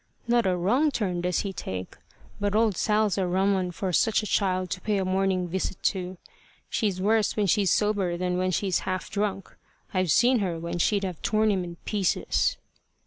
"Not a wrong turn does he take! But old Sal's a rum un for such a child to pay a morning visit to. She's worse when she's sober than when she's half drunk. I've seen her when she'd have torn him in pieces."